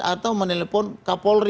atau menelepon kapolri